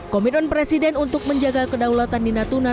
komitmen presiden untuk menjaga kedaulatan di natuna